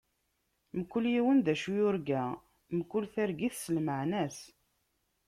Mkul yiwen d acu yurga, mkul targit s lmeɛna-s.